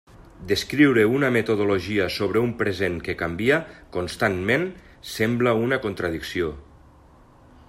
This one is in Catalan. Descriure una metodologia sobre un present que canvia constantment sembla una contradicció.